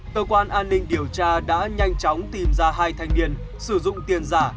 cơ quan an ninh điều tra đã nhanh chóng tìm ra hai thanh niên sử dụng tiền giả